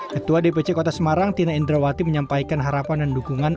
ketua dpc kota semarang tina indrawati menyampaikan harapan dan dukungan